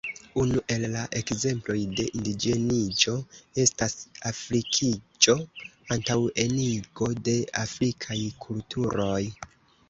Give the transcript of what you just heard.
Unu el la ekzemploj de indiĝeniĝo estas afrikiĝo (antaŭenigo de afrikaj kulturoj).